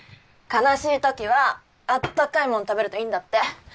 悲しいときはあったかいもん食べるといいんだって。